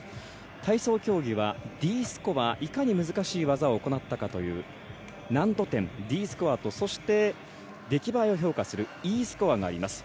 体操競技はＤスコアいかに難しい技を行ったかという難度点、Ｄスコアとそして、出来栄えを評価するＥスコアがあります。